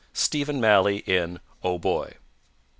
Stephen Maley, in _Oh, Boy!